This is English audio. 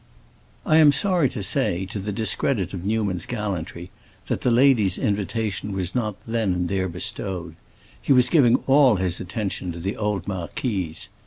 I am sorry to say, to the discredit of Newman's gallantry, that this lady's invitation was not then and there bestowed; he was giving all his attention to the old marquise.